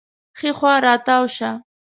ښي خوا راتاو شه